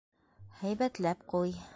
Һәйбәтләп ҡуй!